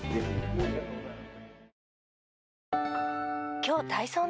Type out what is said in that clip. ありがとうございます。